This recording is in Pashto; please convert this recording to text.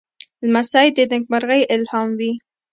لمسی د نېکمرغۍ الهام وي.